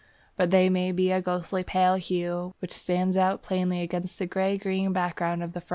But they may be a ghostly pale hue which stands out plainly against the grey green background of the frond.